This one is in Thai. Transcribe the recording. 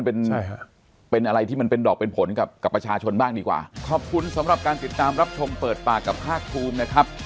เรามาเปิดปากเปิดความจริงกันทุกวันจันทร์ถึงวันศุกร์นะครับ